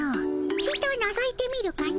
ちとのぞいてみるかの。